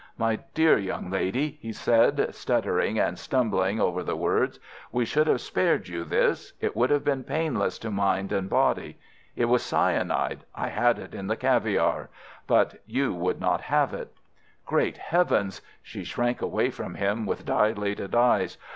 "My dear young lady," he said, stuttering and stumbling over the words, "we would have spared you this. It would have been painless to mind and body. It was cyanide. I had it in the caviare. But you would not have it." "Great Heaven!" She shrank away from him with dilated eyes.